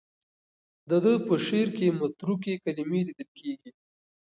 د ده په شعر کې متروکې کلمې لیدل کېږي.